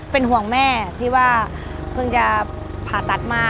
เป็นห่วงแม่ที่ว่าเพิ่งจะผ่าตัดมา